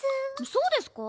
そうですか？